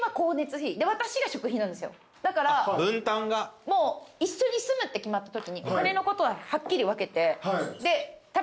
だからもう一緒に住むって決まったときにお金のことははっきり分けて。